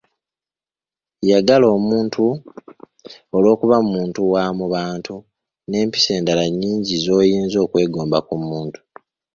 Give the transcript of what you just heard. Yagala omuntu olw'okuba muntu wa mu bantu, n'empisa endala nnyingi z'oyinza okwegomba ku muntu.